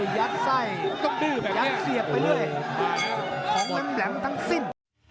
อ๋อยัดไส้ยัดเสียบไปด้วยของแม่งแหลงทั้งสิ้น